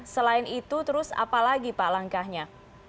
selain itu terus apa lagi pak langkahnya